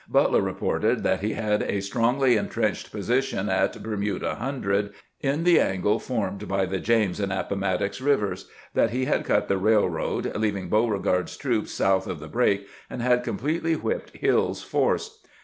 Butler reported that he had a strongly intrenched position at Bermuda Hundred, in the angle formed by the James and Appomattox rivers ; that he had cut the railroad, leaving Beauregard's troops south of the break, and had completely whipped Hill's force.